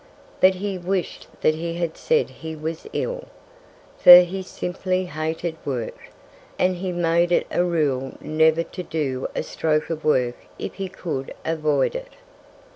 But he wished that he had said he was ill. For he simply hated work. And he made it a rule never to do a stroke of work if he could avoid it.